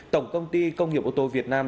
tổng công ty công nghiệp ô tô việt nam